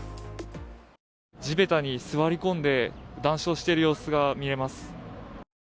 地べたに座り込んで談笑している様子が見えます。